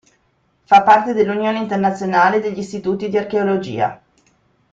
Fa parte dell'Unione internazionale degli istituti di archeologia.